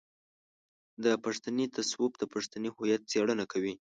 د پښتني تصوف د پښتني هويت څېړنه کوي.